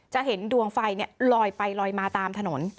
จะเห็นดวงไฟลอยไปลอยมาตามถนน